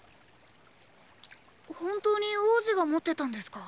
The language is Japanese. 本当に王子が持ってたんですか？